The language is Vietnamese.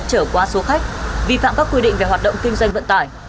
chở quá số khách vi phạm các quy định về hoạt động kinh doanh vận tải